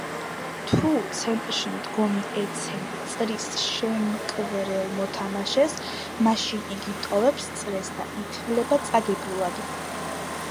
თუ ცენტრში მდგომი ეცემა წრის შემკვრელ მოთამაშეს, მაშინ იგი ტოვებს წრეს და ითვლება წაგებულად.